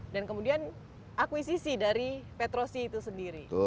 dan kemudian akuisisi dari petrosi itu sendiri